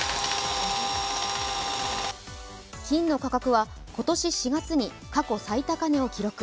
金の価格は今年４月に過去最高値を記録。